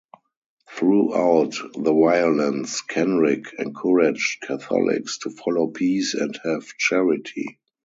Throughout the violence, Kenrick encouraged Catholics to follow peace and have charity.